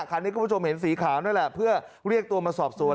คันนี้คุณผู้ชมเห็นสีขาวนั่นแหละเพื่อเรียกตัวมาสอบสวน